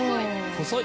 細い！